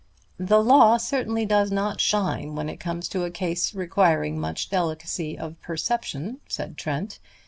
"The law certainly does not shine when it comes to a case requiring much delicacy of perception," said Trent.